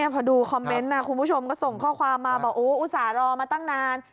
พอดูคอมเมนต์คุณผู้ชมก็ส่งข้อความมาบอกอุตส่าห์รอมาตั้งนาน